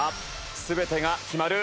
全てが決まる！